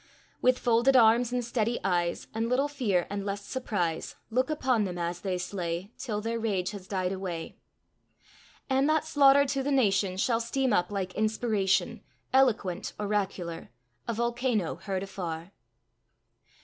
With folded arms and steady eyes, And little fear, and less surprise, Look upon them as they slay, Till their rage has died away. And that slaughter to the Nation Shall steam up like inspiration, Eloquent, oracular A volcano heard afar.